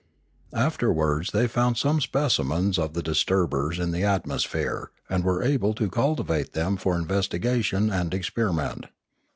Afterwards they found some specimens of the disturbers in the atmosphere, and were able to cultivate them for investigation and experiment.